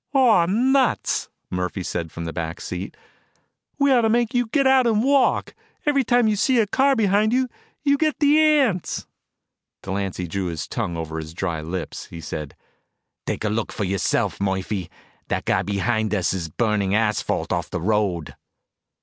"Aw nuts!" Murphy said from the back seat. "We ought to make you get out and walk. Every time you see a car behind you, you get the ants." Delancy drew his tongue over dry lips. He said, "Take a look for yourself, Murphy. That guy behind is burning asphalt off the road."